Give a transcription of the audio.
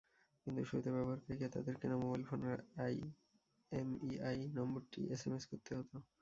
কিন্তু শুরুতে ব্যবহারকারীকে তাঁদের কেনা মোবাইল ফোনের আইএমইআই নম্বরটি এসএমএস করতে হতো।